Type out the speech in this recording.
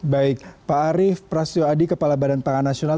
baik pak arief prasyuadi kepala badan pangan nasional